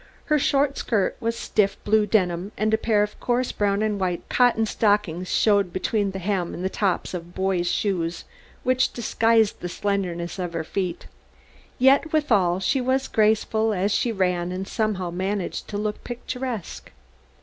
Her short skirt was of stiff blue denim and a pair of coarse brown and white cotton stockings showed between the hem and the tops of boys' shoes which disguised the slenderness of her feet. Yet, withal, she was graceful as she ran and somehow managed to look picturesque.